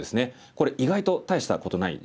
これ意外と大したことない地で。